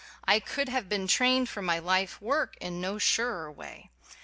I could have been trained for my life work in no surer way.